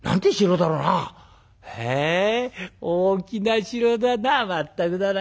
大きな城だなまったくだな」。